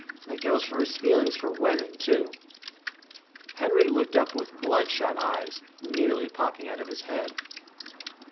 That goes for his feelings for women, too." Henry looked up with bloodshot eyes nearly popping out of his head.